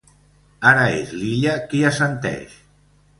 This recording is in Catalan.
Ara és l'Illa qui assenteix.